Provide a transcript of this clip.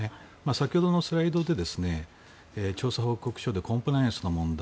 先ほどのスライドで調査報告書でコンプライアンスの問題